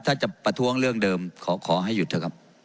ถ้าจะประท้วงเรื่องเดิมขอให้หยุดเถอะครับ